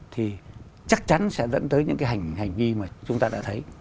thì chắc chắn sẽ dẫn tới những cái hành vi mà chúng ta đã thấy